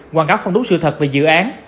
quảng cáo không đúng sự thật về dự án